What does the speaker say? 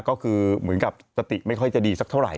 ก็คือเหมือนกับสติไม่ค่อยจะดีสักเท่าไห